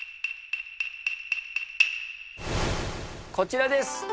こちらです。